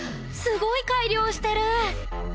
すごい改良してる